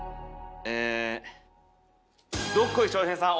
ええーどっこい翔平さん